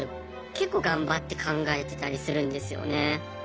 結構頑張って考えてたりするんですよね。